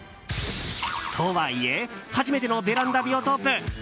とはいえ、初めてのベランダビオトープ。